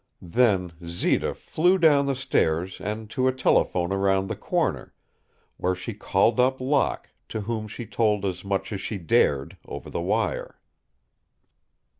Then Zita flew down the stairs and to a telephone around the corner, where she called up Locke, to whom she told as much as she dared over the wire.